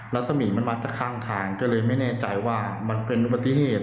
รัศมีร์มันมาจากข้างทางก็เลยไม่แน่ใจว่ามันเป็นอุบัติเหตุ